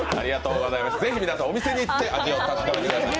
ぜひ皆さんお店に行って味を確かめてください。